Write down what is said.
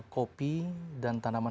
kopi dan tanaman